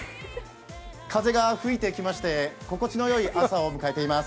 風が吹いてきまして、心地のいい朝を迎えています。